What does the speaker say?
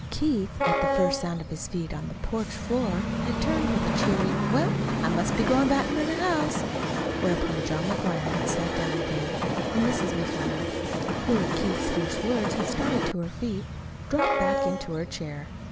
Keith, at the first sound of his feet on the porch floor, had turned with a cheery "Well, I must be going back to the house." Whereupon John McGuire had sat down again, and Mrs. McGuire, who at Keith's first words, had started to her feet, dropped back into her chair.